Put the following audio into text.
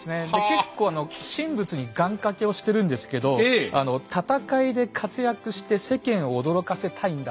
結構神仏に願かけをしてるんですけど「戦いで活躍して世間を驚かせたいんだ。